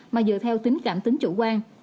mà dựa theo tính cảm tính chủ quan